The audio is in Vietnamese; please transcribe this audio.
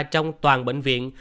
trong toàn bệnh viện